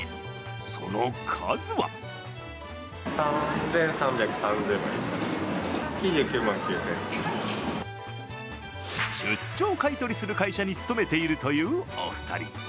その数は出張買い取りする会社に勤めているというお二人。